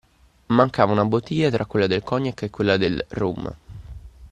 Mancava una bottiglia tra quella del cognac e quella del rum.